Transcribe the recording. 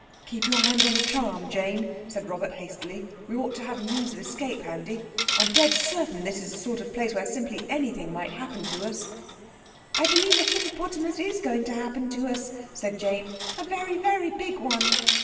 "Keep your hand on the charm, Jane," said Robert hastily. "We ought to have a means of escape handy. I'm dead certain this is the sort of place where simply anything might happen to us." "I believe a hippopotamus is going to happen to us," said Jane—"a very, very big one."